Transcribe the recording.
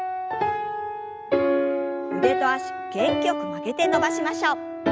腕と脚元気よく曲げて伸ばしましょう。